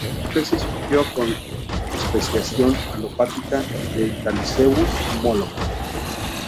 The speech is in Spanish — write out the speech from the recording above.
La especie surgió por especiación alopátrica de "Callicebus moloch".